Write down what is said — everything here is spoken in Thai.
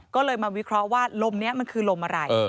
ก็เลยมาวิเคราะห์ว่าลมนี้มันคือลมอะไร